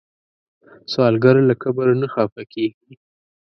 سوالګر له کبر نه خفه کېږي